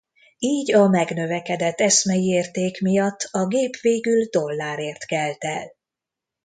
Így a megnövekedett eszmei érték miatt a gép végül dollárért kelt el.